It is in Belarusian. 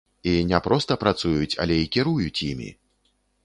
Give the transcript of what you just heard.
І не проста працуюць, але і кіруюць імі.